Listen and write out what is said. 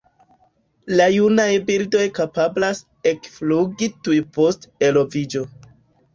La junaj birdoj kapablas ekflugi tuj post eloviĝo.